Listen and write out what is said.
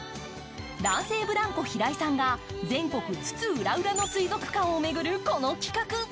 男性ブランコ・平井さんが全国津々浦々の水族館を巡る、この企画。